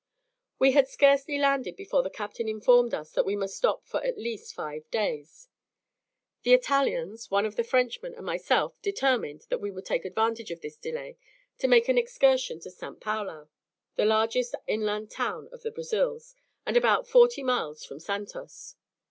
We had scarcely landed before the captain informed us that we must stop for at least five days. The Italians, one of the Frenchmen, and myself determined that we would take advantage of this delay to make an excursion to St. Paulo, the largest inland town of the Brazils, and about forty miles from Santos.